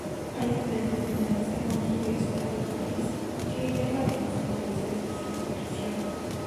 Hay diferentes maneras de construir tal matriz, que llamaremos matriz de sustitución.